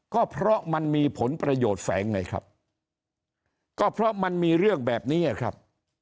ก็เพราะมันมีผลประโยชน์แฝงไงครับก็เพราะมันมีเรื่องแบบนี้ครับ